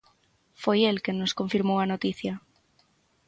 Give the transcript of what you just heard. Foi el quen nos confirmou a noticia.